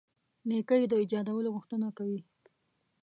نېکۍ د ایجادولو غوښتنه کوي.